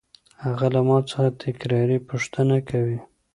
هغه له ما څخه تکراري پوښتنه کوي.